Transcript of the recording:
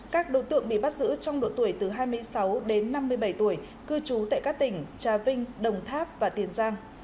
các đối tượng bị bắt giữ trong độ tuổi từ hai mươi sáu đến năm mươi bảy tuổi cư trú tại các tỉnh trà vinh đồng tháp và tiền giang